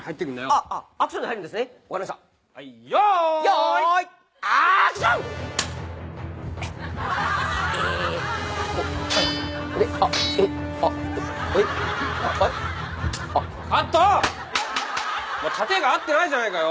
お前殺陣が合ってないじゃないかよ。